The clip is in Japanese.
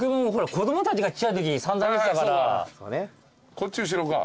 こっち後ろか。